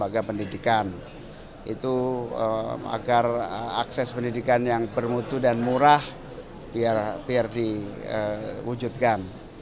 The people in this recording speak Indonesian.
agar pendidikan itu agar akses pendidikan yang bermutu dan murah biar diwujudkan